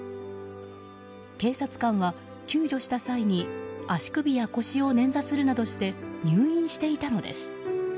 警察官は救助した際に足首や腰をねんざするなどして入院していたのです。